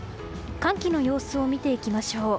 寒気の様子を見ていきましょう。